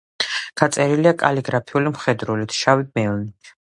გადაწერილია კალიგრაფიული მხედრულით, შავი მელნით.